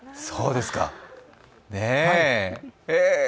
そうですか、へぇ。